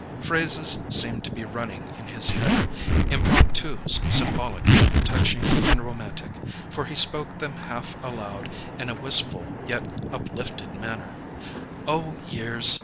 Phrases seemed to be running in his head, impromptus symbolic of the touching and romantic, for he spoke them half aloud hi a wistful yet uplifted manner. "Oh, years!"